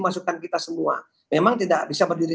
masukan kita semua memang tidak bisa berdiri